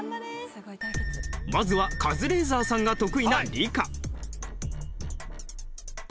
まずはカズレーザーさんが得意な理科。